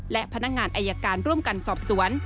และพนักงานอายการร่วมกันสอบสวน